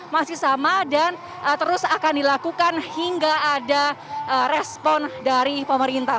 masih sama dan terus akan dilakukan hingga ada respon dari pemerintah